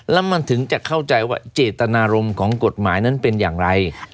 แล้วมันถึงจะเข้าใจว่าเจตนารมณ์ของกฎหมายนั้นเป็นอย่างไร